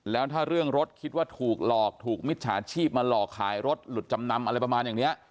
แล้วถ้าเรื่องรถคิดว่าถูกหลอกถูกมิจฉาชีพมาหลอกขายรถหลุดจำนำอะไรประมาณอย่างนี้